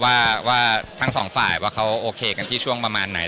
ว่าทั้งสองฝ่ายว่าเขาโอเคกันที่ช่วงประมาณไหน